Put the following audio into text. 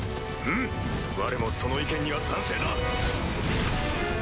うむわれもその意見には賛成だ！